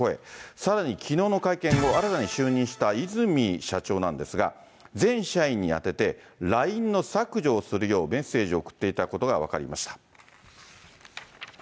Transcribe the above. さらにきのうの会見後、新たに就任した和泉社長なんですが、全社員に宛てて、ＬＩＮＥの削除をするようメッセージを送っていたことが分かりま